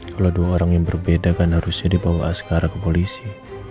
kalau dua orang yang berbeda kan harusnya dibawa sekarang ke polisi